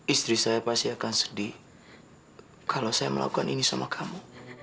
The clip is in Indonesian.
istri saya pasti akan sedih kalau saya melakukan ini sama kamu